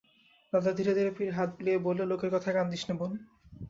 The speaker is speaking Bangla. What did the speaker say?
দাদা ধীরে ধীরে পিঠে হাত বুলিয়ে বললে, লোকের কথায় কান দিস নে বোন।